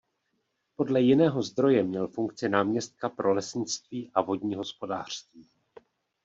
Podle jiného zdroje měl funkci náměstka pro lesnictví a vodní hospodářství.